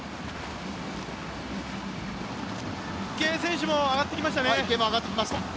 池江選手も上がってきましたね。